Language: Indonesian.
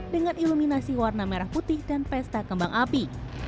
dengan iluminasi warna merah putih dan pesta kembang api